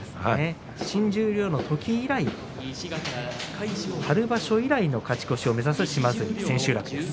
新十両の時以来、春場所以来の勝ち越しを目指す島津海の千秋楽です。